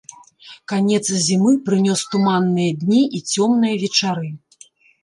Канец зімы прынёс туманныя дні і цёмныя вечары.